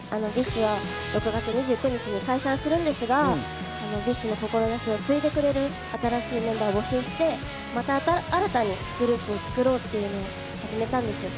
こちらはですね、ＢｉＳＨは６月２８日に解散するんですが、ＢｉＳＨの志を継いでくれる新しいメンバーを募集して、また新たなグループを作ろうというのを始めたんです。